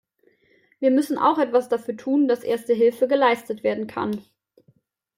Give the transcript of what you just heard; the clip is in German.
Wir müssen auch etwas dafür tun, dass Erste Hilfe geleistet werden kann.